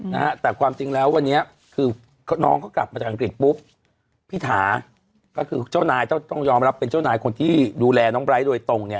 นะฮะแต่ความจริงแล้ววันนี้คือน้องเขากลับมาจากอังกฤษปุ๊บพี่ถาก็คือเจ้านายต้องต้องยอมรับเป็นเจ้านายคนที่ดูแลน้องไร้โดยตรงเนี่ย